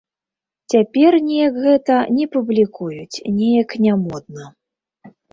Цяпер неяк гэта не публікуюць, неяк нямодна.